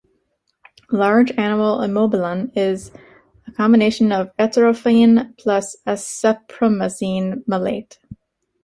Large Animal Immobilon is a combination of etorphine plus acepromazine maleate.